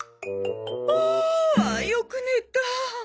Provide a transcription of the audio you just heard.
ああよく寝た。